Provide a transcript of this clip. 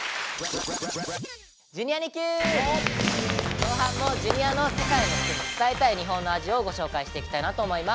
後半もＪｒ．の「世界の人に伝えたい日本の味」をご紹介していきたいなと思います。